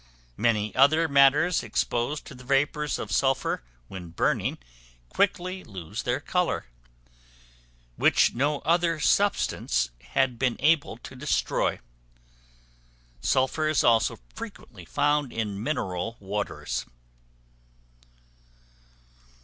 many other matters exposed to the vapors of sulphur when burning, quickly lose their color, which no other substance had been able to destroy. Sulphur is also frequently found in mineral waters.